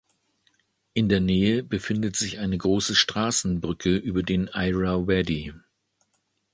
In der Nähe befindet sich eine große Straßenbrücke über den Irrawaddy.